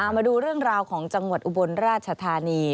มาดูเรื่องราวของจังหวัดอุบลราชธานี